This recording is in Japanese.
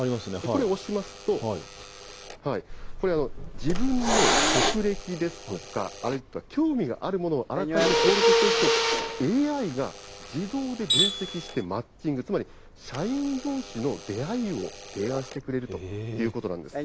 これ押しますと、自分の職歴ですとか、あるいは興味があるものをあらかじめ登録しておくと、ＡＩが自動で分析してマッチング、つまり社員どうしの出会いを提案してくれるということなんです。